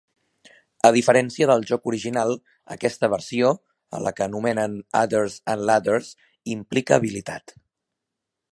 A diferència del joc original, aquesta versió, a la que anomenen "Adders-and-Ladders", implica habilitat.